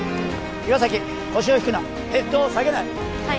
岩崎腰を引くなヘッドを下げない